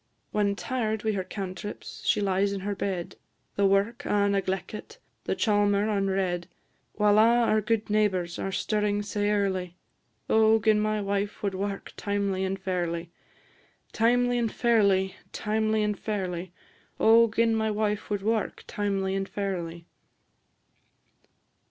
When tired wi' her cantrips, she lies in her bed The wark a' negleckit, the chalmer unred While a' our gude neighbours are stirring sae early. O gin my wife wad wark timely and fairly! Timely and fairly, timely and fairly; O gin my wife wad wark timely and fairly!